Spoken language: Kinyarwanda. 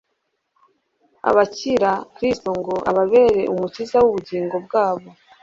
Abakira Kristo ngo ababere Umukiza w'ubugingo bwabo,